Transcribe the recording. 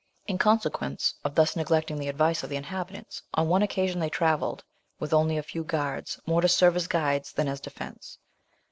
In consequence of thus neglecting the advice of the inhabitants, on one occasion they travelled with only a few guards, more to serve as guides than as a defence.